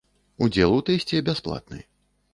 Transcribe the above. Удзел у тэсце бясплатны.